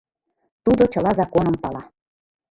Тудо чыла законым пала.